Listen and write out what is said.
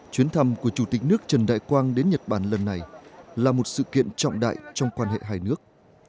chuyến thăm của chủ tịch nước trần đại quang đến nhật bản lần này là một sự kiện trọng đại trong quan hệ hai nước